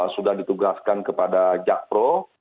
sudah ditugaskan kepada jakpro